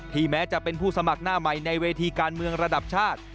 แม้จะเป็นผู้สมัครหน้าใหม่ในเวทีการเมืองระดับชาติ